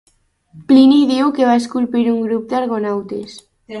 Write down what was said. Plini diu que va esculpir un grup d'argonautes.